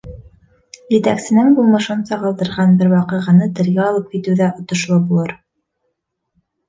Етәксенең булмышын сағылдырған бер ваҡиғаны телгә алып китеү ҙә отошло булыр.